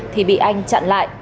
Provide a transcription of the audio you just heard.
thì bị anh chặn lại